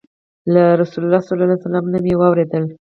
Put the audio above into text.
له رسول الله صلى الله عليه وسلم نه مي واورېدل